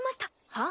はっ？